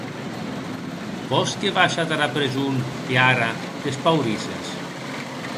Vòs que vaja tara preson e ara t’espaurisses.